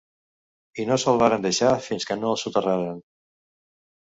I no se’l varen deixar fins que no el soterraren.